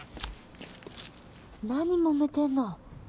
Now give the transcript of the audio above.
何もめてんの？